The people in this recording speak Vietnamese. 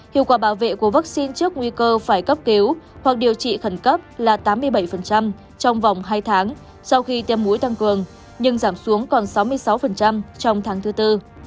hiệu quả bảo vệ của vaccine trước nguy cơ phải cấp cứu hoặc điều trị khẩn cấp là tám mươi bảy trong vòng hai tháng sau khi tiêm muối tăng cường nhưng giảm xuống còn sáu mươi sáu trong tháng thứ tư